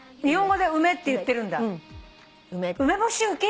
日本語でウメって言ってるんだ。